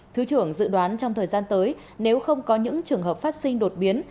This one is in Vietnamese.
thứ trưởng dự đoán trong thời gian tới nếu không có những trường hợp phát sinh đột biến